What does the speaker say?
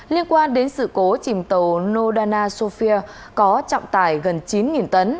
liên quan đến sự cố chìm tàu nodana sofia có trọng tải gần chín tấn